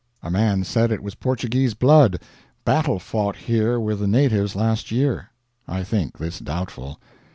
A man said it was Portuguese blood battle fought here with the natives last year. I think this doubtful.